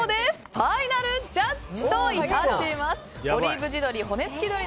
ファイナルジャッジ。